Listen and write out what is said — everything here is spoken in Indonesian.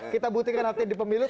kita buktikan nanti di pemilu